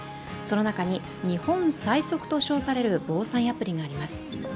その中に日本最速と称される防災アプリがあります。